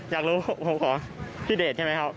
อยากรู้ผมขอพี่เดชใช่ไหมครับ